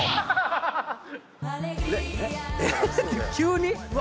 急に？